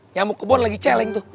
nyamuk kebon lagi celeng tuh